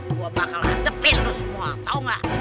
gua bakal antepin lo semua tau gak